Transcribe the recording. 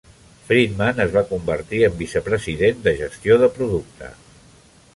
Friedman es va convertir en vicepresident de Gestió de producte.